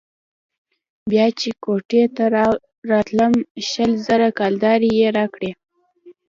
بيا چې كوټې ته راتلم شل زره كلدارې يې راکړې.